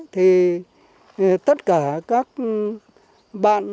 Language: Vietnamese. thì tất cả các bạn